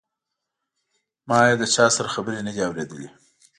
ما یې له چا سره خبرې نه دي اوریدلې.